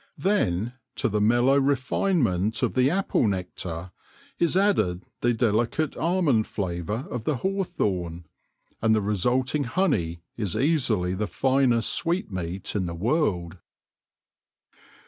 Then, to the mellow refinement of the THE DRONE AND HIS STORY 161 apple nectar, is added the delicate almond flavour of the hawthorn, and the resulting honey is easily the finest sweetmeat in the world.